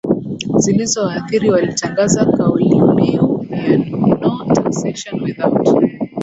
zilizowaathiri Walitangaza kaulimbiu ya no taxation without